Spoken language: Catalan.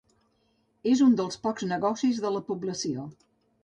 És un dels pocs negocis de la població.